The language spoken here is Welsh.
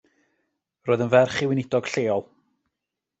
Roedd yn ferch i weinidog lleol.